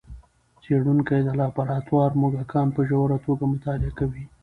څېړونکي د لابراتوار موږکان په ژوره توګه مطالعه کوي.